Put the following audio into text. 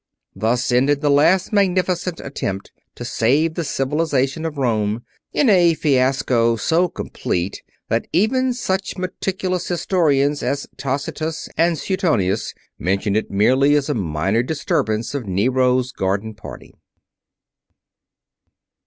Thus ended the last significant attempt to save the civilization of Rome; in a fiasco so complete that even such meticulous historians as Tacitus and Suetonius mention it merely as a minor disturbance of Nero's garden party.